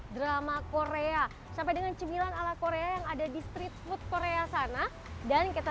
drama korea sampai dengan cemilan ala korea yang ada di street food korea sana dan kita